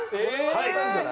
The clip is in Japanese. はい。